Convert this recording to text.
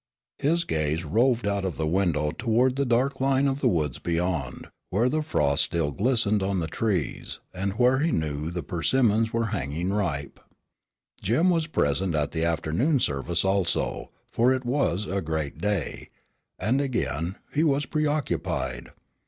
His gaze roved out of the window toward the dark line of the woods beyond, where the frost still glistened on the trees and where he knew the persimmons were hanging ripe. Jim was present at the afternoon service also, for it was a great day; and again, he was preoccupied.